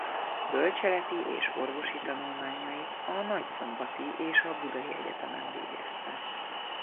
Bölcseleti és orvosi tanulmányait a nagyszombati és a budai egyetemen végezte.